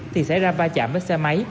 thì xảy ra ba chạm với xe máy